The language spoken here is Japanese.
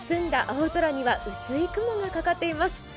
青空には薄い雲がかかっています。